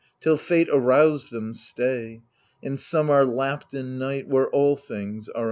Till Fate arouse them, stay ; And some are lapped in night, where all things are undone.